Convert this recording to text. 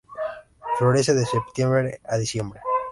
Florece de septiembre a diciembre.